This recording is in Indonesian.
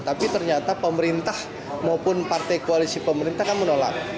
tapi ternyata pemerintah maupun partai koalisi pemerintah kan menolak